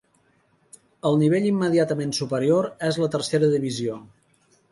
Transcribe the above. El nivell immediatament superior és la Tercera Divisió.